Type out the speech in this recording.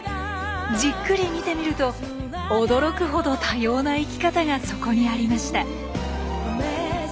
じっくり見てみると驚くほど多様な生き方がそこにありました。